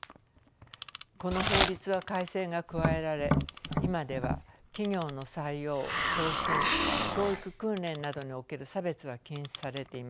この法律は改正が加えられ今では企業の採用昇進教育訓練などにおける差別は禁止されています。